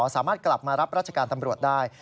สามารถกลับมารับราชการตำรวจได้